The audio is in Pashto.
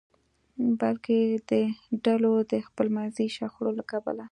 بلکې د ډلو د خپلمنځي شخړو له کبله.